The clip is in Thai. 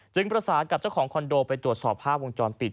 ประสานกับเจ้าของคอนโดไปตรวจสอบภาพวงจรปิด